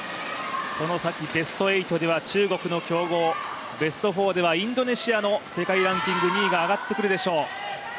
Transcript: その先、ベスト８では中国の強豪、ベスト４ではインドネシアの世界ランキング２位が上がってくるでしょう。